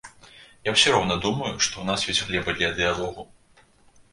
Я усё роўна думаю, што ў нас ёсць глеба для дыялогу.